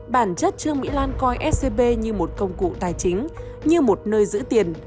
bản chất trương mỹ lan coi scb như một công cụ tài chính như một nơi giữ tiền